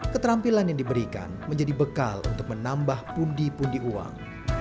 keterampilan yang diberikan menjadi bekal untuk menambah pundi pundi uang